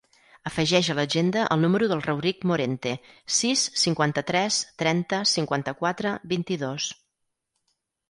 Afegeix a l'agenda el número del Rauric Morente: sis, cinquanta-tres, trenta, cinquanta-quatre, vint-i-dos.